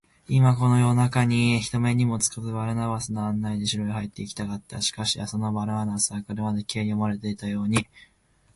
今、この夜なかに、人目にもつかず、バルナバスの案内で城へ入っていきたかった。しかし、そのバルナバスは、これまで Ｋ に思われていたように、